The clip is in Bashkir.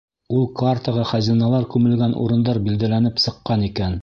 Ул картаға хазиналар күмелгән урындар билдәләнеп сыҡҡан икән.